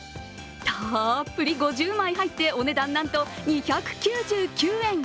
たっぷり５０枚入って、お値段なんと２９９円。